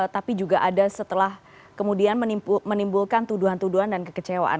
tapi juga ada setelah kemudian menimbulkan tuduhan tuduhan dan kekecewaan